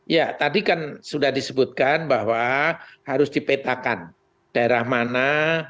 ya tadi kan sudah disebutkan bahwa harus dipetakan daerah mana